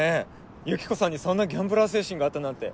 ユキコさんにそんなギャンブラー精神があったなんて。